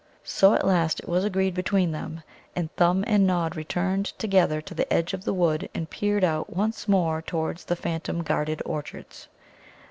So at last it was agreed between them. And Thumb and Nod returned together to the edge of the wood and peered out once more towards the phantom guarded orchards.